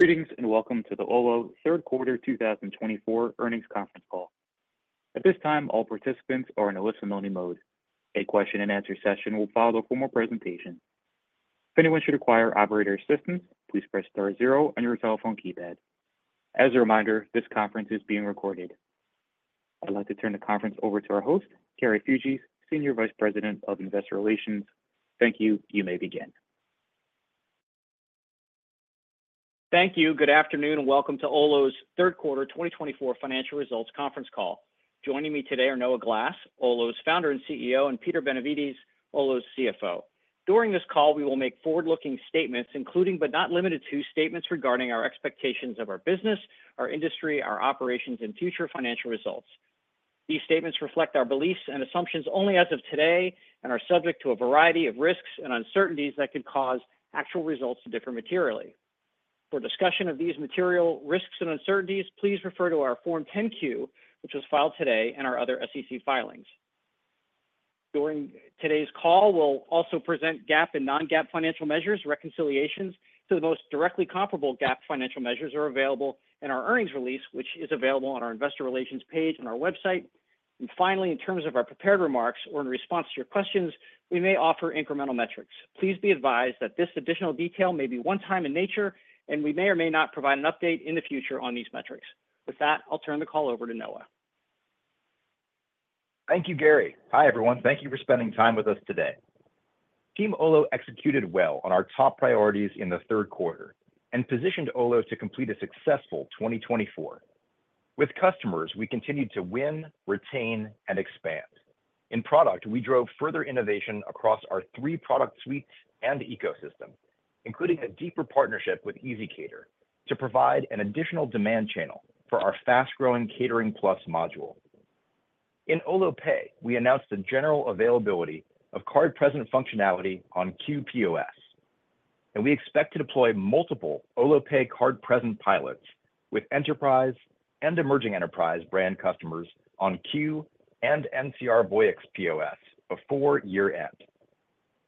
Greetings and welcome to the Olo Q3 2024 Earnings Conference Call. At this time, all participants are in a listen-only mode. A question-and-answer session will follow from a presentation. If anyone should require operator assistance, please press * zero on your cell phone keypad. As a reminder, this conference is being recorded. I'd like to turn the conference over to our host, Gary Fuges, Senior Vice President of Investor Relations. Thank you. You may begin. Thank you. Good afternoon and welcome to Olo's Q3 2024 Financial Results Conference Call. Joining me today are Noah Glass, Olo's Founder and CEO, and Peter Benevides, Olo's CFO. During this call, we will make forward-looking statements, including but not limited to statements regarding our expectations of our business, our industry, our operations, and future financial results. These statements reflect our beliefs and assumptions only as of today and are subject to a variety of risks and uncertainties that could cause actual results to differ materially. For discussion of these material risks and uncertainties, please refer to our Form 10-Q, which was filed today, and our other SEC filings. During today's call, we'll also present GAAP and non-GAAP financial measures reconciliations to the most directly comparable GAAP financial measures that are available in our earnings release, which is available on our Investor Relations page on our website. And finally, in terms of our prepared remarks or in response to your questions, we may offer incremental metrics. Please be advised that this additional detail may be one-time in nature, and we may or may not provide an update in the future on these metrics. With that, I'll turn the call over to Noah. Thank you, Gary. Hi, everyone. Thank you for spending time with us today. Team Olo executed well on our top priorities in the Q3 and positioned Olo to complete a successful 2024. With customers, we continued to win, retain, and expand. In product, we drove further innovation across our three product suites and ecosystem, including a deeper partnership with ezCater to provide an additional demand channel for our fast-growing Catering Plus module. In Olo Pay, we announced the general availability of card-present functionality on Qu POS, and we expect to deploy multiple Olo Pay card-present pilots with enterprise and emerging enterprise brand customers on Qu and NCR Voyix POS before year-end.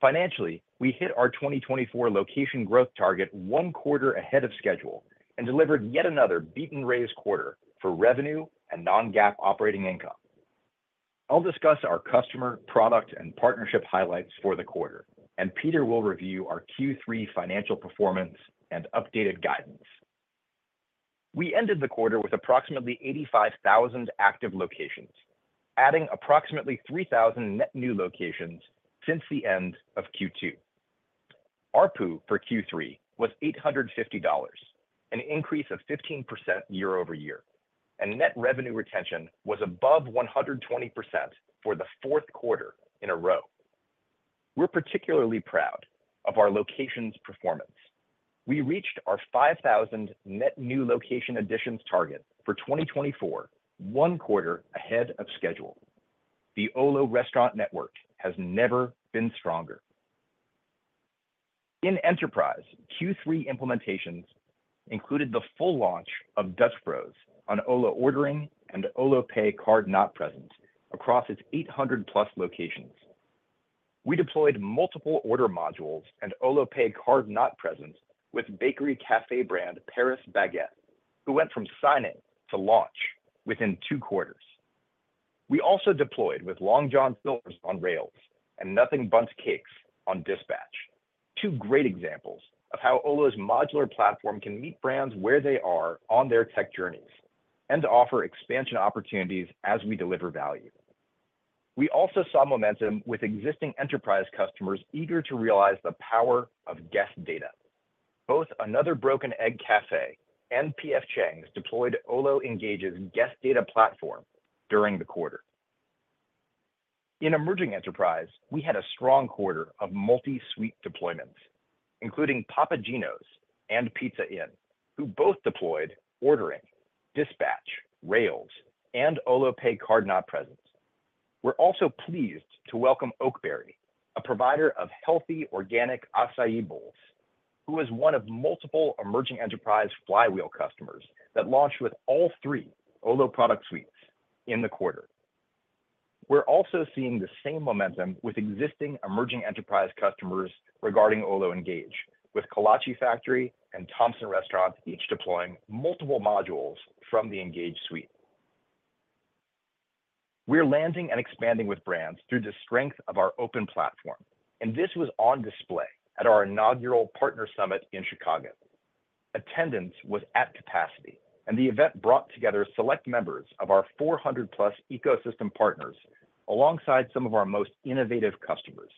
Financially, we hit our 2024 location growth target one quarter ahead of schedule and delivered yet another beat-and-raise quarter for revenue and non-GAAP operating income. I'll discuss our customer, product, and partnership highlights for the quarter, and Peter will review our Q3 financial performance and updated guidance. We ended the quarter with approximately 85,000 active locations, adding approximately 3,000 net new locations since the end of Q2. Our pool for Q3 was $850, an increase of 15% year-over-year, and net revenue retention was above 120% for the Q4 in a row. We're particularly proud of our locations' performance. We reached our 5,000 net new location additions target for 2024 one quarter ahead of schedule. The Olo restaurant network has never been stronger. In enterprise, Q3 implementations included the full launch of Dutch Bros on Olo Ordering and Olo Pay Card Not Present across its 800-plus locations. We deployed multiple order modules and Olo Pay Card Not Present with bakery cafe brand Paris Baguette, who went from signing to launch within two quarters. We also deployed with Long John Silver's on Rails and Nothing Bundt Cakes on Dispatch, two great examples of how Olo's modular platform can meet brands where they are on their tech journeys and offer expansion opportunities as we deliver value. We also saw momentum with existing enterprise customers eager to realize the power of guest data. Both Another Broken Egg Cafe and P.F. Chang's deployed Olo Engage's guest data platform during the quarter. In emerging enterprise, we had a strong quarter of multi-suite deployments, including Papa Gino's and Pizza Inn, who both deployed Ordering, Dispatch, Rails, and Olo Pay Card Not Present. We're also pleased to welcome Oakberry, a provider of healthy organic açaí bowls, who is one of multiple emerging enterprise flywheel customers that launched with all three Olo product suites in the quarter. We're also seeing the same momentum with existing emerging enterprise customers regarding Olo Engage, with Kolache Factory and Thompson Restaurants each deploying multiple modules from the Engage suite. We're landing and expanding with brands through the strength of our open platform, and this was on display at our inaugural partner summit in Chicago. Attendance was at capacity, and the event brought together select members of our 400-plus ecosystem partners alongside some of our most innovative customers.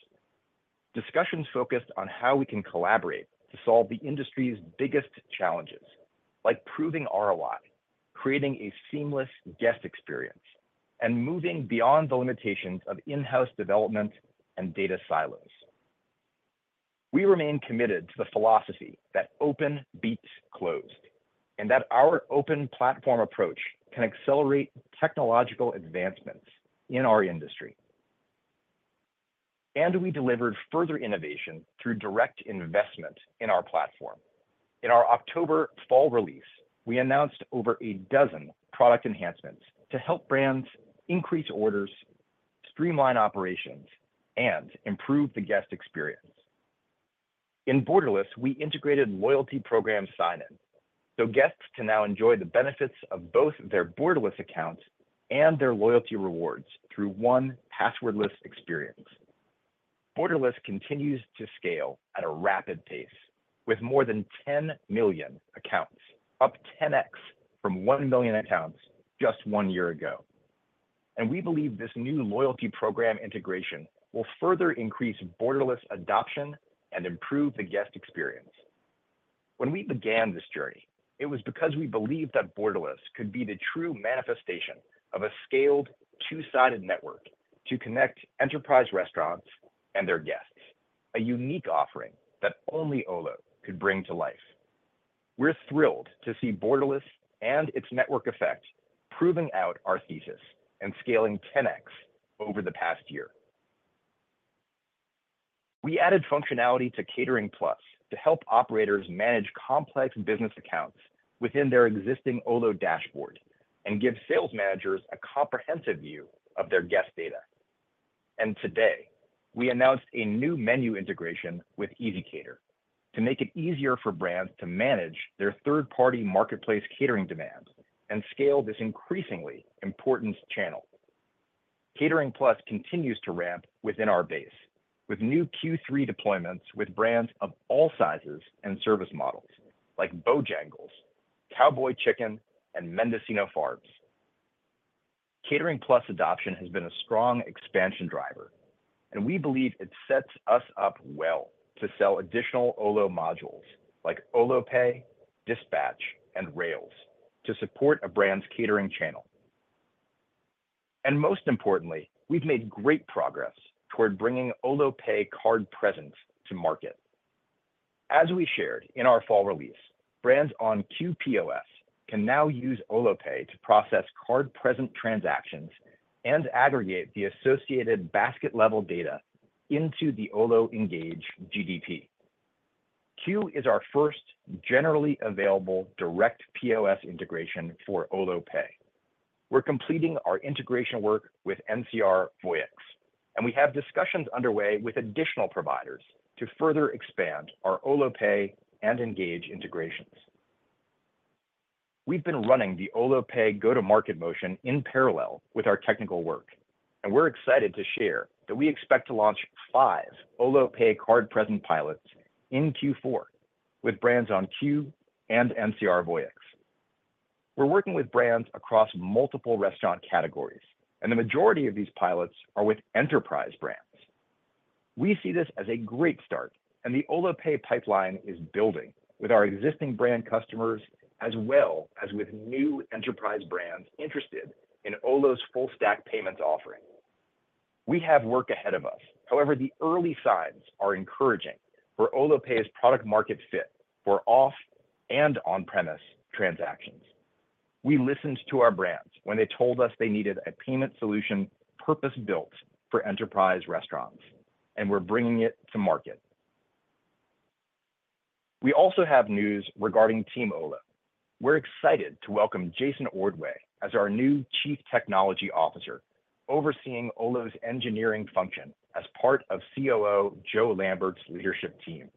Discussions focused on how we can collaborate to solve the industry's biggest challenges, like proving ROI, creating a seamless guest experience, and moving beyond the limitations of in-house development and data silos. We remain committed to the philosophy that open beats closed, and that our open platform approach can accelerate technological advancements in our industry. And we delivered further innovation through direct investment in our platform. In our October fall release, we announced over a dozen product enhancements to help brands increase orders, streamline operations, and improve the guest experience. In Borderless, we integrated loyalty program sign-in, so guests can now enjoy the benefits of both their Borderless accounts and their loyalty rewards through one passwordless experience. Borderless continues to scale at a rapid pace, with more than 10 million accounts, up 10x from 1 million accounts just one year ago. And we believe this new loyalty program integration will further increase Borderless adoption and improve the guest experience. When we began this journey, it was because we believed that Borderless could be the true manifestation of a scaled two-sided network to connect enterprise restaurants and their guests, a unique offering that only Olo could bring to life. We're thrilled to see Borderless and its network effect proving out our thesis and scaling 10x over the past year. We added functionality to Catering Plus to help operators manage complex business accounts within their existing Olo dashboard and give sales managers a comprehensive view of their guest data, and today, we announced a new menu integration with ezCater to make it easier for brands to manage their third-party marketplace catering demand and scale this increasingly important channel. Catering Plus continues to ramp within our base with new Q3 deployments with brands of all sizes and service models like Bojangles, Cowboy Chicken, and Mendocino Farms. Catering Plus adoption has been a strong expansion driver, and we believe it sets us up well to sell additional Olo modules like Olo Pay, Dispatch, and Rails to support a brand's catering channel. Most importantly, we've made great progress toward bringing Olo Pay Card Present to market. As we shared in our fall release, brands on Qu POS can now use Olo Pay to process card-present transactions and aggregate the associated basket-level data into the Olo Engage GDP. Qu is our first generally available direct POS integration for Olo Pay. We're completing our integration work with NCR Voyix, and we have discussions underway with additional providers to further expand our Olo Pay and Engage integrations. We've been running the Olo Pay go-to-market motion in parallel with our technical work, and we're excited to share that we expect to launch five Olo Pay Card Present pilots in Q4 with brands on Qu and NCR Voyix. We're working with brands across multiple restaurant categories, and the majority of these pilots are with enterprise brands. We see this as a great start, and the Olo Pay pipeline is building with our existing brand customers as well as with new enterprise brands interested in Olo's full-stack payments offering. We have work ahead of us. However, the early signs are encouraging for Olo Pay's product-market fit for off and on-premise transactions. We listened to our brands when they told us they needed a payment solution purpose-built for enterprise restaurants, and we're bringing it to market. We also have news regarding Team Olo. We're excited to welcome Jason Ordway as our new Chief Technology Officer overseeing Olo's engineering function as part of COO Jo Lambert's leadership team.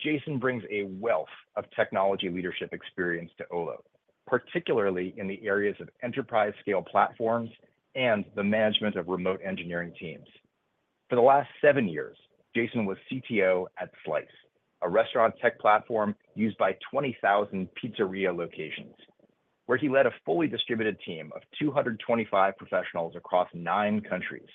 Jason brings a wealth of technology leadership experience to Olo, particularly in the areas of enterprise-scale platforms and the management of remote engineering teams. For the last seven years, Jason was CTO at Slice, a restaurant tech platform used by 20,000 pizzeria locations, where he led a fully distributed team of 225 professionals across nine countries.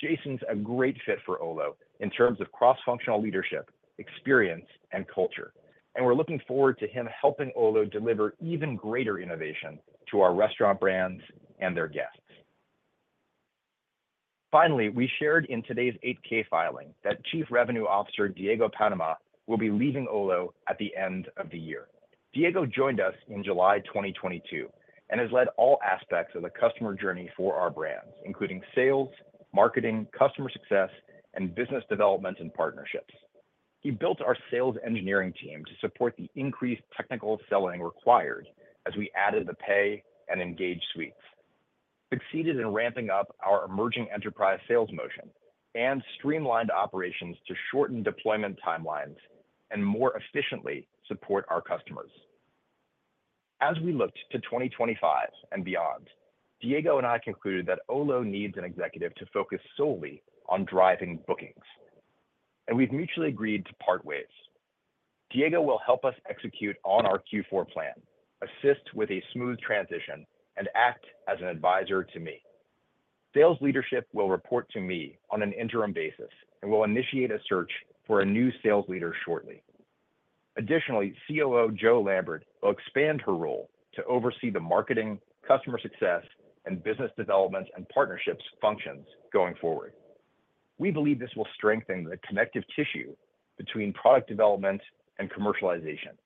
Jason's a great fit for Olo in terms of cross-functional leadership, experience, and culture, and we're looking forward to him helping Olo deliver even greater innovation to our restaurant brands and their guests. Finally, we shared in today's 8-K filing that Chief Revenue Officer Diego Panama will be leaving Olo at the end of the year. Diego joined us in July 2022 and has led all aspects of the customer journey for our brands, including sales, marketing, customer success, and business development and partnerships. He built our sales engineering team to support the increased technical selling required as we added the Pay and Engage suites, succeeded in ramping up our emerging enterprise sales motion, and streamlined operations to shorten deployment timelines and more efficiently support our customers. As we looked to 2025 and beyond, Diego and I concluded that Olo needs an executive to focus solely on driving bookings, and we've mutually agreed to part ways. Diego will help us execute on our Q4 plan, assist with a smooth transition, and act as an advisor to me. Sales leadership will report to me on an interim basis and will initiate a search for a new sales leader shortly. Additionally, COO Jo Lambert will expand her role to oversee the marketing, customer success, and business development and partnerships functions going forward. We believe this will strengthen the connective tissue between product development and commercialization.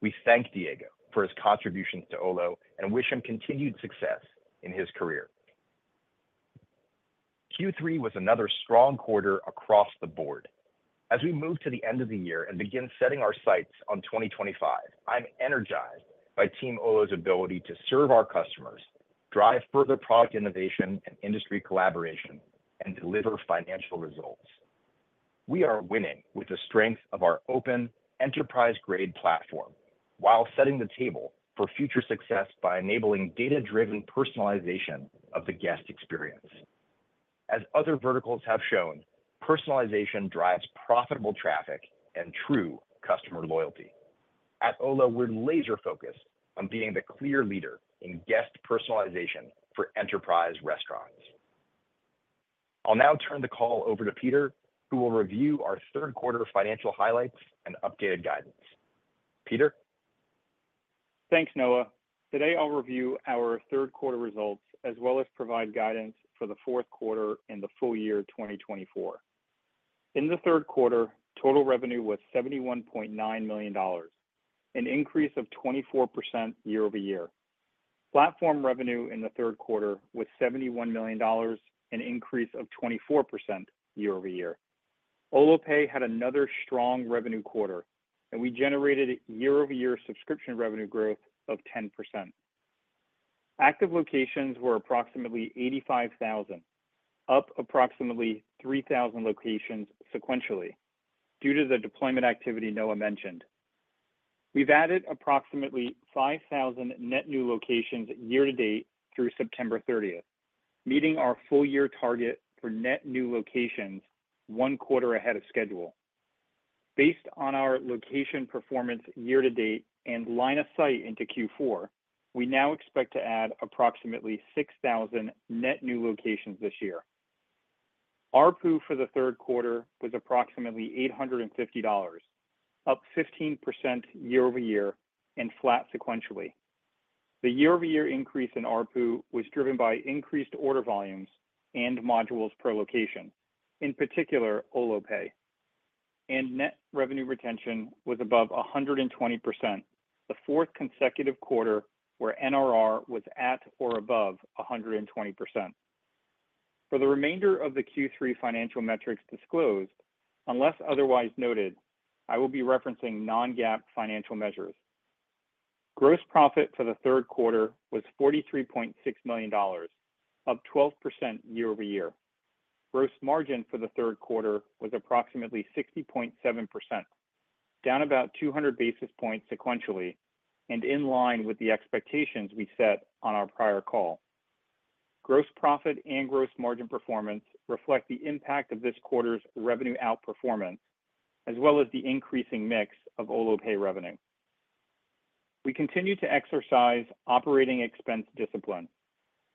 We thank Diego for his contributions to Olo and wish him continued success in his career. Q3 was another strong quarter across the board. As we move to the end of the year and begin setting our sights on 2025, I'm energized by Team Olo's ability to serve our customers, drive further product innovation and industry collaboration, and deliver financial results. We are winning with the strength of our open enterprise-grade platform while setting the table for future success by enabling data-driven personalization of the guest experience. As other verticals have shown, personalization drives profitable traffic and true customer loyalty. At Olo, we're laser-focused on being the clear leader in guest personalization for enterprise restaurants. I'll now turn the call over to Peter, who will review our third-quarter financial highlights and updated guidance. Peter? Thanks, Noah. Today, I'll review our third-quarter results as well as provide guidance for the Q4 in the full year 2024. In the Q3, total revenue was $71.9 million, an increase of 24% year-over-year. Platform revenue in the Q3 was $71 million, an increase of 24% year-over-year. Olo Pay had another strong revenue quarter, and we generated year-over-year subscription revenue growth of 10%. Active locations were approximately 85,000, up approximately 3,000 locations sequentially due to the deployment activity Noah mentioned. We've added approximately 5,000 net new locations year-to-date through September 30th, meeting our full-year target for net new locations one quarter ahead of schedule. Based on our location performance year-to-date and line of sight into Q4, we now expect to add approximately 6,000 net new locations this year. Our pool for the Q3 was approximately $850, up 15% year-over-year and flat sequentially. The year-over-year increase in our pool was driven by increased order volumes and modules per location, in particular Olo Pay, and net revenue retention was above 120%, the fourth consecutive quarter where NRR was at or above 120%. For the remainder of the Q3 financial metrics disclosed, unless otherwise noted, I will be referencing non-GAAP financial measures. Gross profit for the Q3 was $43.6 million, up 12% year-over-year. Gross margin for the Q3 was approximately 60.7%, down about 200 basis points sequentially and in line with the expectations we set on our prior call. Gross profit and gross margin performance reflect the impact of this quarter's revenue outperformance as well as the increasing mix of Olo Pay revenue. We continue to exercise operating expense discipline.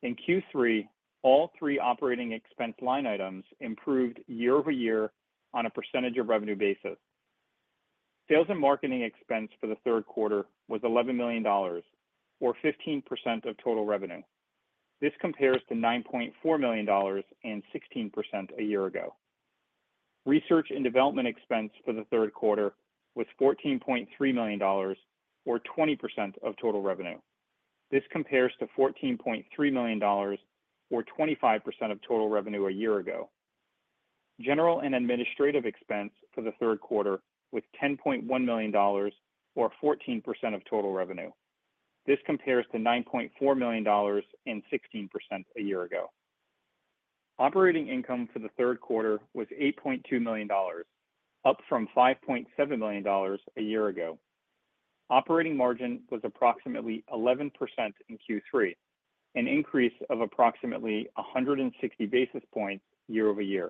In Q3, all three operating expense line items improved year-over-year on a percentage of revenue basis. Sales and marketing expense for the Q3 was $11 million, or 15% of total revenue. This compares to $9.4 million and 16% a year ago. Research and development expense for the Q3 was $14.3 million, or 20% of total revenue. This compares to $14.3 million, or 25% of total revenue a year ago. General and administrative expense for the Q3 was $10.1 million, or 14% of total revenue. This compares to $9.4 million and 16% a year ago. Operating income for the Q3 was $8.2 million, up from $5.7 million a year ago. Operating margin was approximately 11% in Q3, an increase of approximately 160 basis points year-over-year.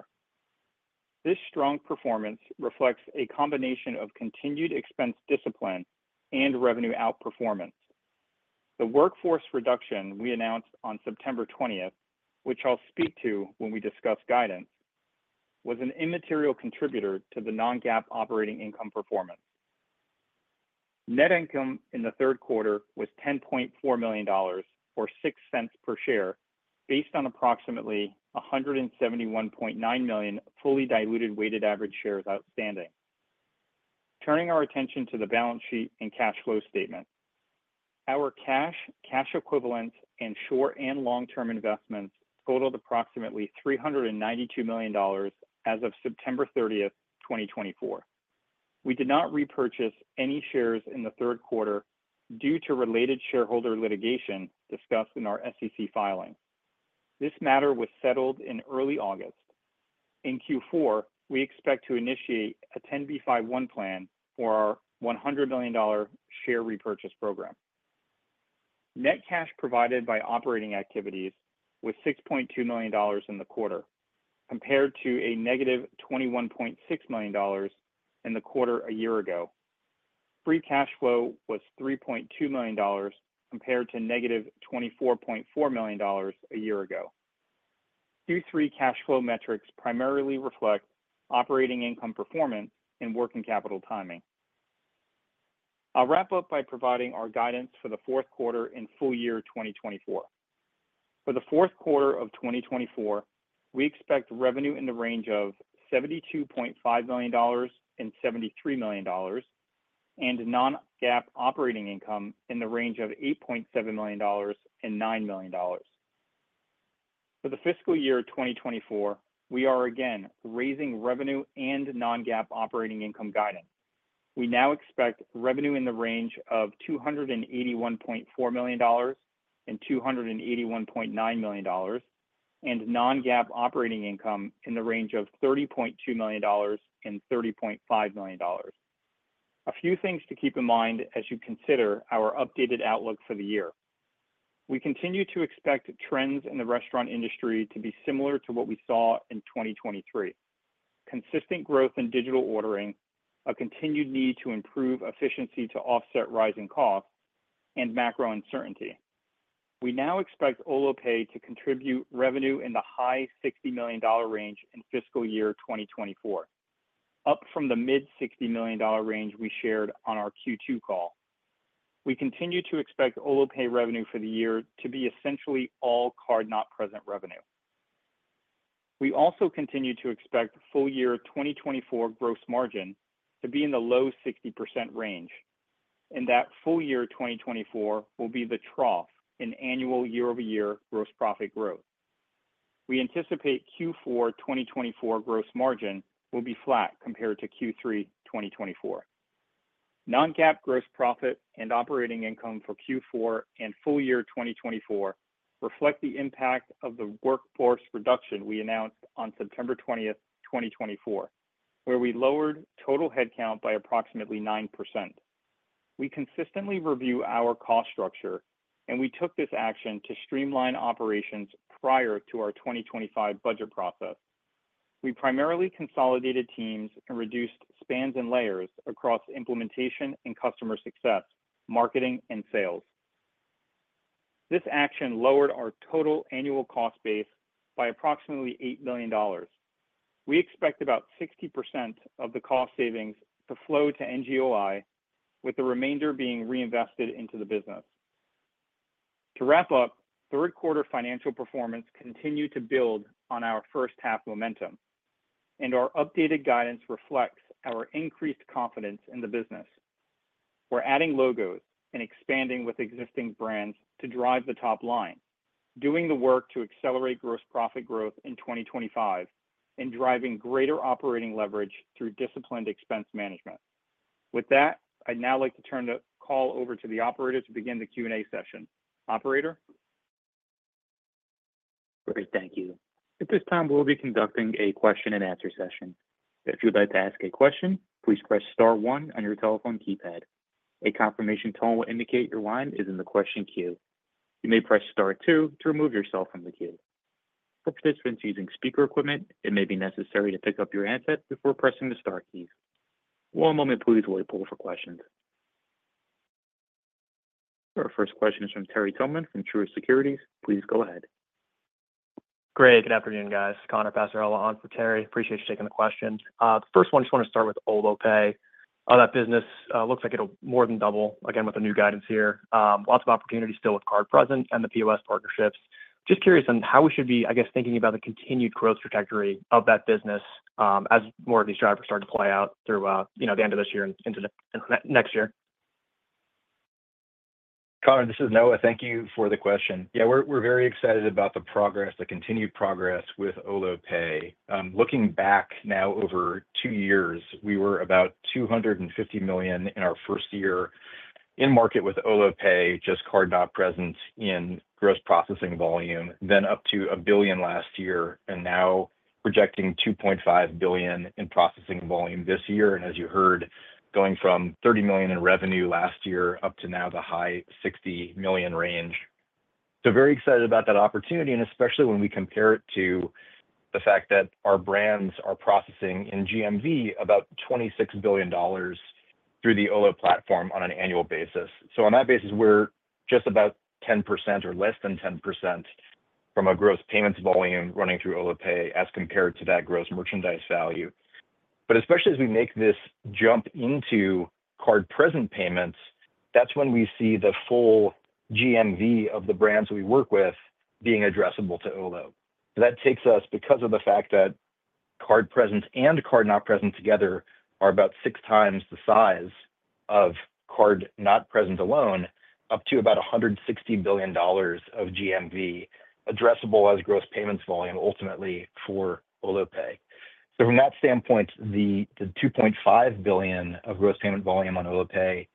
This strong performance reflects a combination of continued expense discipline and revenue outperformance. The workforce reduction we announced on September 20th, which I'll speak to when we discuss guidance, was an immaterial contributor to the non-GAAP operating income performance. Net income in the Q3 was $10.4 million, or $0.06 per share, based on approximately 171.9 million fully diluted weighted average shares outstanding. Turning our attention to the balance sheet and cash flow statement, our cash, cash equivalents, and short and long-term investments totaled approximately $392 million as of September 30th, 2024. We did not repurchase any shares in the Q3 due to related shareholder litigation discussed in our SEC filing. This matter was settled in early August. In Q4, we expect to initiate a 10b5-1 plan for our $100 million share repurchase program. Net cash provided by operating activities was $6.2 million in the quarter, compared to a negative $21.6 million in the quarter a year ago. Free cash flow was $3.2 million compared to negative $24.4 million a year ago. Q3 cash flow metrics primarily reflect operating income performance and working capital timing. I'll wrap up by providing our guidance for the Q4 and full year 2024. For the Q4 of 2024, we expect revenue in the range of $72.5 million-$73 million, and non-GAAP operating income in the range of $8.7 million-$9 million. For the fiscal year 2024, we are again raising revenue and non-GAAP operating income guidance. We now expect revenue in the range of $281.4 million-$281.9 million, and non-GAAP operating income in the range of $30.2 million-$30.5 million. A few things to keep in mind as you consider our updated outlook for the year. We continue to expect trends in the restaurant industry to be similar to what we saw in 2023: consistent growth in digital ordering, a continued need to improve efficiency to offset rising costs, and macro uncertainty. We now expect Olo Pay to contribute revenue in the high $60 million range in fiscal year 2024, up from the mid-$60 million range we shared on our Q2 call. We continue to expect Olo Pay revenue for the year to be essentially all card not present revenue. We also continue to expect full year 2024 gross margin to be in the low 60% range, and that full year 2024 will be the trough in annual year-over-year gross profit growth. We anticipate Q4 2024 gross margin will be flat compared to Q3 2024. Non-GAAP gross profit and operating income for Q4 and full year 2024 reflect the impact of the workforce reduction we announced on September 20th, 2024, where we lowered total headcount by approximately 9%. We consistently review our cost structure, and we took this action to streamline operations prior to our 2025 budget process. We primarily consolidated teams and reduced spans and layers across implementation and customer success, marketing, and sales. This action lowered our total annual cost base by approximately $8 million. We expect about 60% of the cost savings to flow to NGOI, with the remainder being reinvested into the business. To wrap up, third-quarter financial performance continued to build on our first-half momentum, and our updated guidance reflects our increased confidence in the business. We're adding logos and expanding with existing brands to drive the top line, doing the work to accelerate gross profit growth in 2025, and driving greater operating leverage through disciplined expense management. With that, I'd now like to turn the call over to the operator to begin the Q&A session. Operator? Great. Thank you. At this time, we'll be conducting a question-and-answer session. If you'd like to ask a question, please press * 1 on your telephone keypad. A confirmation tone will indicate your line is in the question queue. You may press * 2 to remove yourself from the queue. For participants using speaker equipment, it may be necessary to pick up your handset before pressing the Star keys. One moment, please, while we pull for questions. Our first question is from Terry Tillman from Truist Securities. Please go ahead. Great. Good afternoon, guys. Conor Passarella, on for Terry. Appreciate you taking the question. The first one, I just want to start with Olo Pay. That business looks like it'll more than double, again, with the new guidance here. Lots of opportunities still with card present and the POS partnerships. Just curious on how we should be, I guess, thinking about the continued growth trajectory of that business as more of these drivers start to play out through the end of this year and into next year. Connor, this is Noah. Thank you for the question. Yeah, we're very excited about the progress, the continued progress with Olo Pay. Looking back now over two years, we were about $250 million in our first year in market with Olo Pay, just card not present in gross processing volume, then up to a billion last year, and now projecting $2.5 billion in processing volume this year. And as you heard, going from $30 million in revenue last year up to now the high $60 million range. So very excited about that opportunity, and especially when we compare it to the fact that our brands are processing in GMV about $26 billion through the Olo platform on an annual basis. So on that basis, we're just about 10% or less than 10% from a gross payments volume running through Olo Pay as compared to that gross merchandise value. But especially as we make this jump into card present payments, that's when we see the full GMV of the brands we work with being addressable to Olo. That takes us, because of the fact that card present and card not present together are about six times the size of card not present alone, up to about $160 billion of GMV addressable as gross payments volume ultimately for Olo Pay. So from that standpoint, the $2.5 billion of gross payment volume on Olo Pay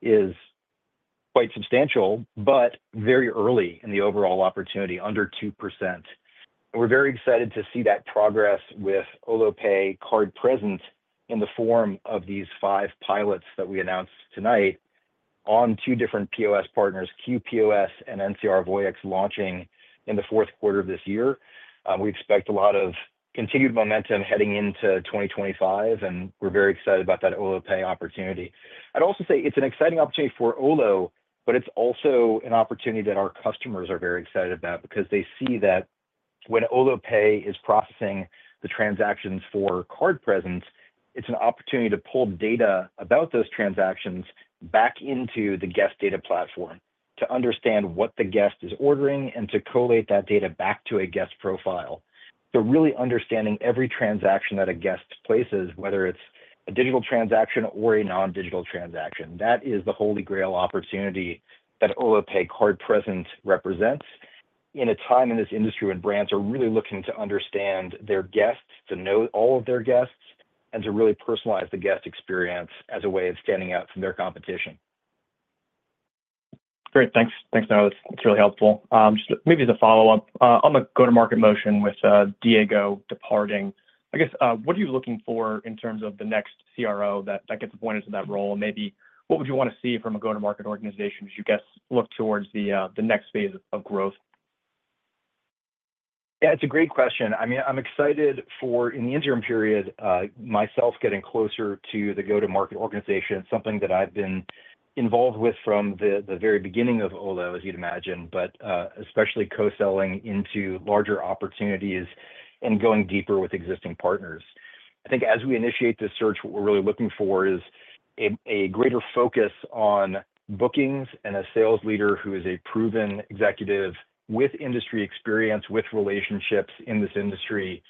is quite substantial, but very early in the overall opportunity, under 2%. We're very excited to see that progress with Olo Pay card present in the form of these five pilots that we announced tonight on two different POS partners, Qu and NCR Voyix, launching in the Q4 of this year. We expect a lot of continued momentum heading into 2025, and we're very excited about that Olo Pay opportunity. I'd also say it's an exciting opportunity for Olo, but it's also an opportunity that our customers are very excited about because they see that when Olo Pay is processing the transactions for Card Present, it's an opportunity to pull data about those transactions back into the Guest Data Platform to understand what the guest is ordering and to collate that data back to a guest profile. So really understanding every transaction that a guest places, whether it's a digital transaction or a non-digital transaction. That is the Holy Grail opportunity that Olo Pay Card Present represents in a time in this industry when brands are really looking to understand their guests, to know all of their guests, and to really personalize the guest experience as a way of standing out from their competition. Great. Thanks, Noah. That's really helpful. Just maybe as a follow-up, on the go-to-market motion with Diego departing, I guess, what are you looking for in terms of the next CRO that gets appointed to that role? And maybe what would you want to see from a go-to-market organization as you guess look towards the next phase of growth? Yeah, it's a great question. I mean, I'm excited for, in the interim period, myself getting closer to the go-to-market organization, something that I've been involved with from the very beginning of Olo, as you'd imagine, but especially co-selling into larger opportunities and going deeper with existing partners. I think as we initiate this search, what we're really looking for is a greater focus on bookings and a sales leader who is a proven executive with industry experience, with relationships in this industry.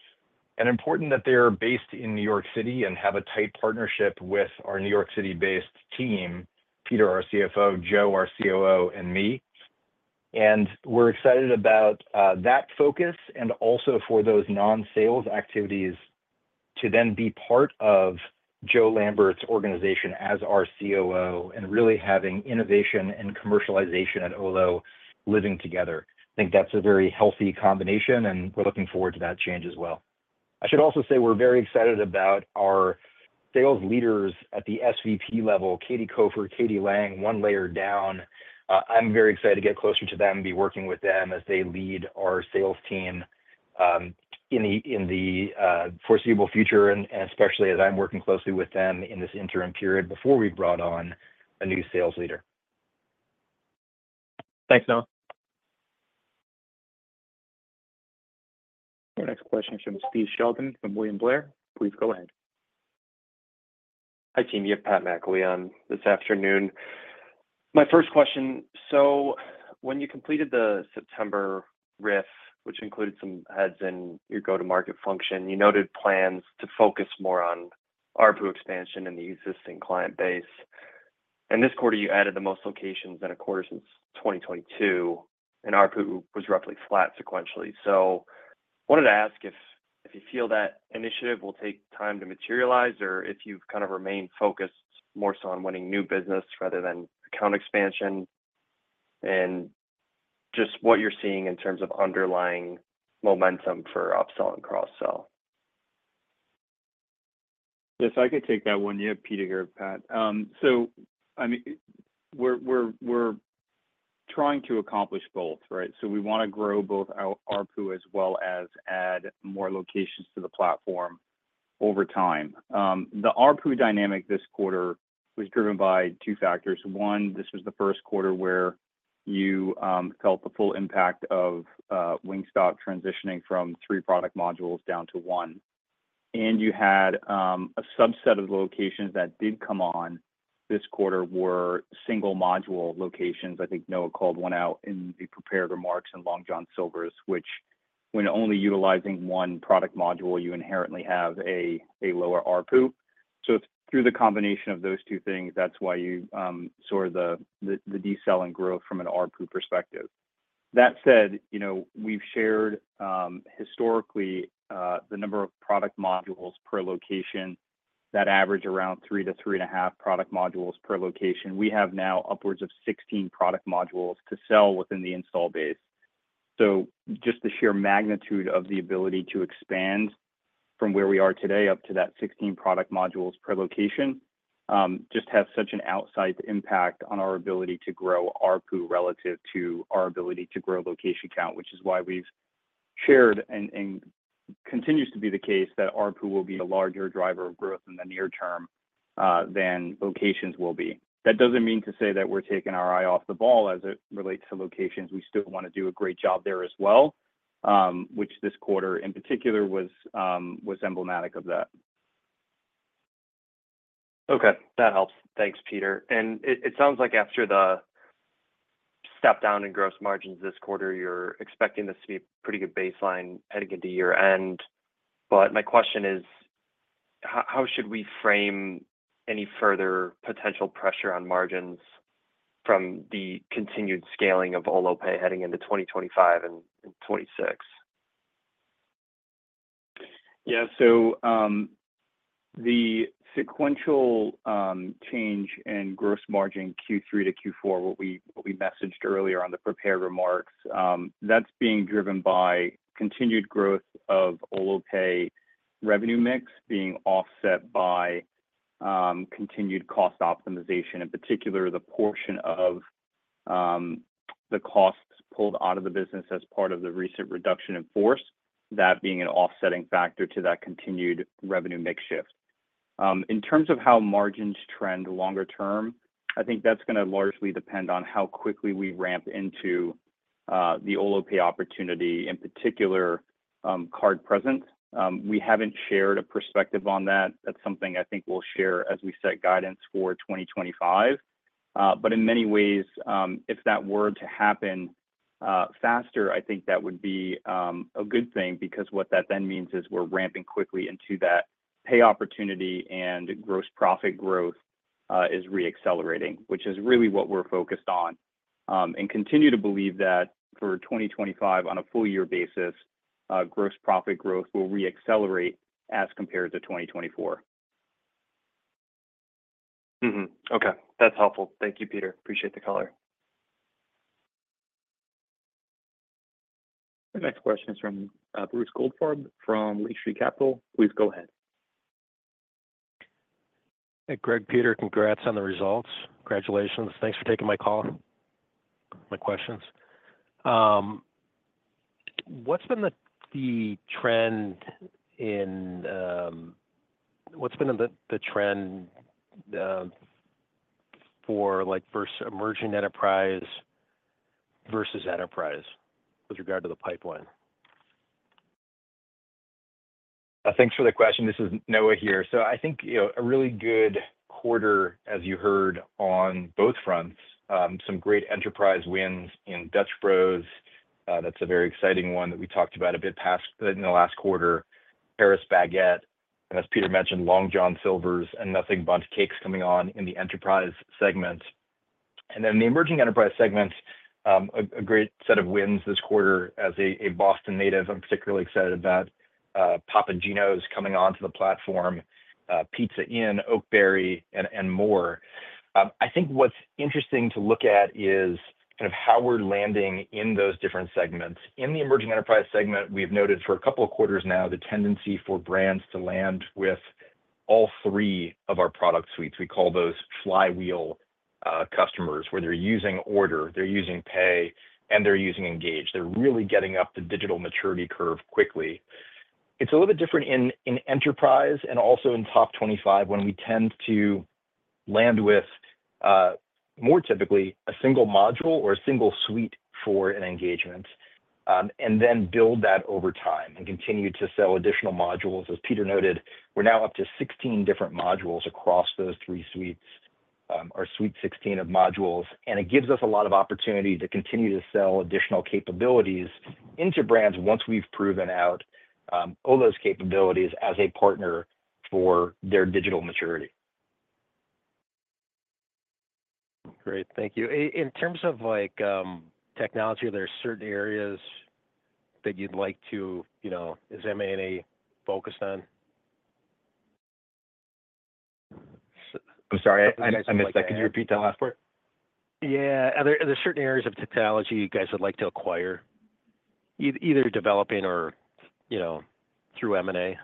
is important that they're based in New York City and have a tight partnership with our New York City-based team, Peter, our CFO, Jo, our COO, and me. We're excited about that focus and also for those non-sales activities to then be part of Jo Lambert's organization as our COO and really having innovation and commercialization at Olo living together. I think that's a very healthy combination, and we're looking forward to that change as well. I should also say we're very excited about our sales leaders at the SVP level, Katie Cofer, Katie Lang, one layer down. I'm very excited to get closer to them and be working with them as they lead our sales team in the foreseeable future, and especially as I'm working closely with them in this interim period before we brought on a new sales leader. Thanks, Noah. Our next question is from Stephen Sheldon from William Blair. Please go ahead. Hi, team. Yes, Stephen Sheldon this afternoon. My first question, so when you completed the September RIF, which included some heads in your go-to-market function, you noted plans to focus more on ARPU expansion and the existing client base. And this quarter, you added the most locations in a quarter since 2022, and ARPU was roughly flat sequentially. So I wanted to ask if you feel that initiative will take time to materialize or if you've kind of remained focused more so on winning new business rather than account expansion and just what you're seeing in terms of underlying momentum for upsell and cross-sell. Yes, I could take that one. You have Peter here, Steve. So I mean, we're trying to accomplish both, right? So we want to grow both ARPU as well as add more locations to the platform over time. The ARPU dynamic this quarter was driven by two factors. One, this was the Q1 where you felt the full impact of Wingstop transitioning from three product modules down to one. And you had a subset of locations that did come on this quarter were single module locations. I think Noah called one out in the prepared remarks and Long John Silver's, which when only utilizing one product module, you inherently have a lower ARPU. So through the combination of those two things, that's why you sort of saw the decelerating growth from an ARPU perspective. That said, we've shared historically the number of product modules per location that average around three to three and a half product modules per location. We have now upwards of 16 product modules to sell within the install base. So just the sheer magnitude of the ability to expand from where we are today up to that 16 product modules per location just has such an outsized impact on our ability to grow ARPU relative to our ability to grow location count, which is why we've shared and continues to be the case that ARPU will be a larger driver of growth in the near term than locations will be. That doesn't mean to say that we're taking our eye off the ball as it relates to locations. We still want to do a great job there as well, which this quarter in particular was emblematic of that. Okay. That helps. Thanks, Peter. It sounds like after the step down in gross margins this quarter, you're expecting this to be a pretty good baseline heading into year-end. But my question is, how should we frame any further potential pressure on margins from the continued scaling of Olo Pay heading into 2025 and 2026? Yeah. So the sequential change in gross margin Q3 to Q4, what we messaged earlier on the prepared remarks, that's being driven by continued growth of Olo Pay revenue mix being offset by continued cost optimization, in particular the portion of the costs pulled out of the business as part of the recent reduction in force, that being an offsetting factor to that continued revenue mix shift. In terms of how margins trend longer term, I think that's going to largely depend on how quickly we ramp into the Olo Pay opportunity, in particular card present. We haven't shared a perspective on that. That's something I think we'll share as we set guidance for 2025. But in many ways, if that were to happen faster, I think that would be a good thing because what that then means is we're ramping quickly into that pay opportunity and gross profit growth is re-accelerating, which is really what we're focused on and continue to believe that for 2025, on a full-year basis, gross profit growth will re-accelerate as compared to 2024. Okay. That's helpful. Thank you, Peter. Appreciate the color. Our next question is from Bruce Goldfarb from Lake Street Capital Markets. Please go ahead. Hey, Gary, Peter, congrats on the results. Congratulations. Thanks for taking my call, my questions. What's been the trend in full versus emerging enterprise versus enterprise with regard to the pipeline? Thanks for the question. This is Noah here. So I think a really good quarter, as you heard, on both fronts, some great enterprise wins in Dutch Bros. That's a very exciting one that we talked about a bit in the last quarter, Paris Baguette, and as Peter mentioned, Long John Silver's and Nothing Bundt Cakes coming on in the enterprise segment. And then in the emerging enterprise segment, a great set of wins this quarter, as a Boston native. I'm particularly excited about Papa Gino's coming onto the platform, Pizza Inn, Oakberry, and more. I think what's interesting to look at is kind of how we're landing in those different segments. In the emerging enterprise segment, we've noted for a couple of quarters now the tendency for brands to land with all three of our product suites. We call those flywheel customers where they're using order, they're using pay, and they're using engage. They're really getting up the digital maturity curve quickly. It's a little bit different in enterprise and also in top 25 when we tend to land with more typically a single module or a single suite for an engagement and then build that over time and continue to sell additional modules. As Peter noted, we're now up to 16 different modules across those three suites, our suite of 16 modules. And it gives us a lot of opportunity to continue to sell additional capabilities into brands once we've proven out all those capabilities as a partner for their digital maturity. Great. Thank you. In terms of technology, are there certain areas that you'd like to, as M&A focused on? I'm sorry. I missed that. Could you repeat that last part? Yeah. Are there certain areas of technology you guys would like to acquire, either developing or through M&A?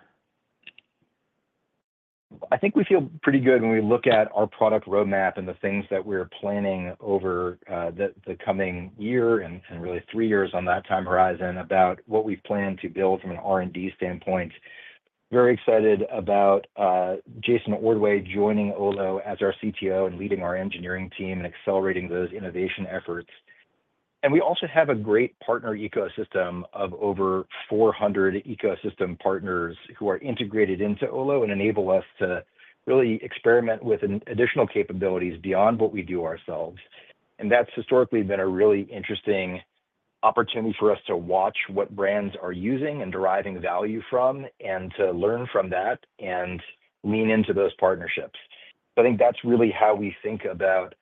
I think we feel pretty good when we look at our product roadmap and the things that we're planning over the coming year and really three years on that time horizon about what we've planned to build from an R&D standpoint. Very excited about Jason Ordway joining Olo as our CTO and leading our engineering team and accelerating those innovation efforts, and we also have a great partner ecosystem of over 400 ecosystem partners who are integrated into Olo and enable us to really experiment with additional capabilities beyond what we do ourselves, and that's historically been a really interesting opportunity for us to watch what brands are using and deriving value from and to learn from that and lean into those partnerships. So I think that's really how we think about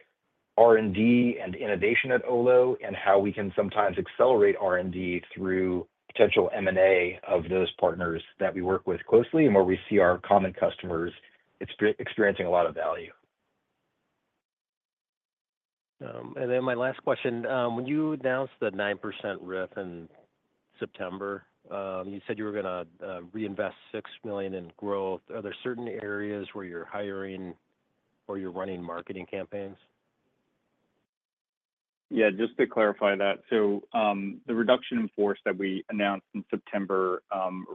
R&D and innovation at Olo and how we can sometimes accelerate R&D through potential M&A of those partners that we work with closely and where we see our common customers experiencing a lot of value. And then my last question. When you announced the 9% RIF in September, you said you were going to reinvest $6 million in growth. Are there certain areas where you're hiring or you're running marketing campaigns? Yeah. Just to clarify that. So the reduction in force that we announced in September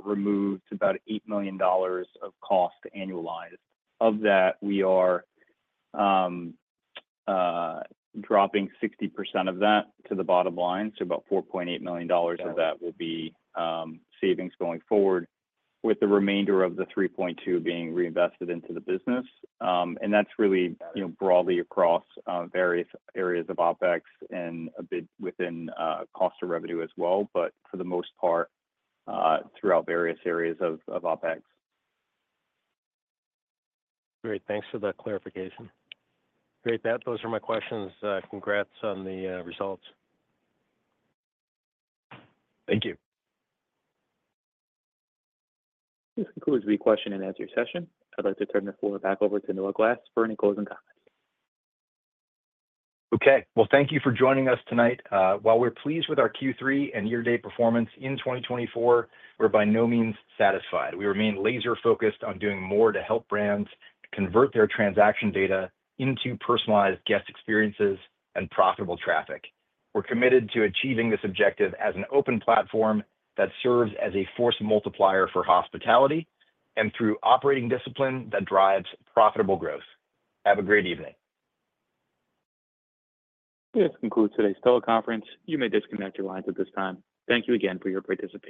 removed about $8 million of cost annualized. Of that, we are dropping 60% of that to the bottom line. So about $4.8 million of that will be savings going forward, with the remainder of the $3.2 million being reinvested into the business. That's really broadly across various areas of OpEx and a bit within cost of revenue as well, but for the most part throughout various areas of OpEx. Great. Thanks for the clarification. Great. Those are my questions. Congrats on the results. Thank you. This concludes the question and answer session. I'd like to turn the floor back over to Noah Glass for closing comments. Okay. Well, thank you for joining us tonight. While we're pleased with our Q3 and year-to-date performance in 2024, we're by no means satisfied. We remain laser-focused on doing more to help brands convert their transaction data into personalized guest experiences and profitable traffic. We're committed to achieving this objective as an open platform that serves as a force multiplier for hospitality and through operating discipline that drives profitable growth. Have a great evening. This concludes today's teleconference. You may disconnect your lines at this time. Thank you again for your participation.